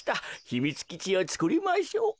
ひみつきちをつくりましょう。